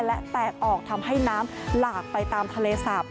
และแตกออกทำให้น้ำหลากไปตามทะเลสาบ